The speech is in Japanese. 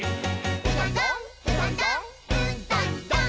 「うどんどんうどんどんうっどんどん」